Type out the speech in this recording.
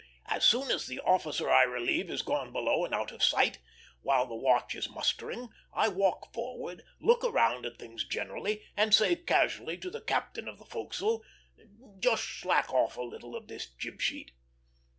As soon as the officer I relieve is gone below and out of sight, while the watch is mustering, I walk forward, look round at things generally, and say casually to the captain of the forecastle: 'Just slack off a little of this jib sheet.'